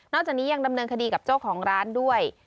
จากนี้ยังดำเนินคดีกับเจ้าของร้านด้วย